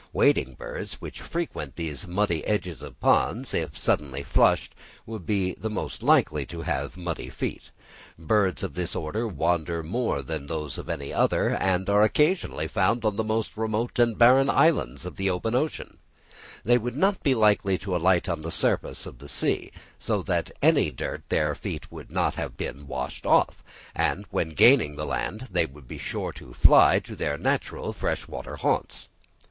Wading birds, which frequent the muddy edges of ponds, if suddenly flushed, would be the most likely to have muddy feet. Birds of this order wander more than those of any other; and are occasionally found on the most remote and barren islands of the open ocean; they would not be likely to alight on the surface of the sea, so that any dirt on their feet would not be washed off; and when gaining the land, they would be sure to fly to their natural fresh water haunts.